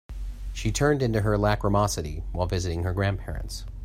She turned into her lachrymosity while visiting her grandparents.